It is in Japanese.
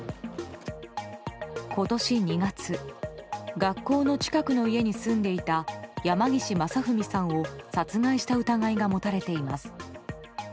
今年２月学校の近くの家に住んでいた山岸正文さんを殺害した疑いが持たれています。